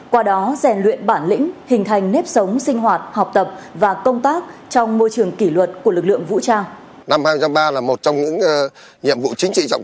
qua đó rèn luyện bản lĩnh hình thành nếp sống sinh hoạt học tập và công tác trong môi trường kỷ luật của lực lượng vũ trang